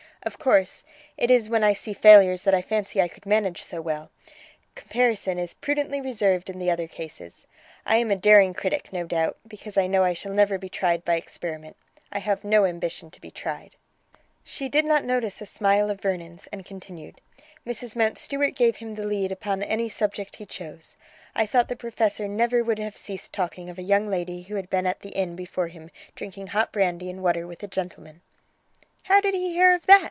Of course, it is when I see failures that I fancy I could manage so well: comparison is prudently reserved in the other cases. I am a daring critic, no doubt, because I know I shall never be tried by experiment. I have no ambition to be tried." She did not notice a smile of Vernon's, and continued: "Mrs Mountstuart gave him the lead upon any subject he chose. I thought the professor never would have ceased talking of a young lady who had been at the inn before him drinking hot brandy and water with a gentleman!" "How did he hear of that?"